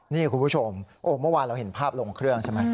นี่คุณผู้ชมเมื่อวานเราเห็นภาพลงเครื่องใช่ไหม